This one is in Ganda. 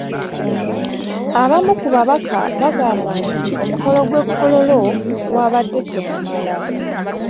Abamu ku babaka bagamba nti omukolo gw’e Kololo gwabadde tegumala